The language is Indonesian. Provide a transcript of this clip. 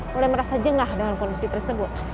mulai merasa jengah dengan kondisi tersebut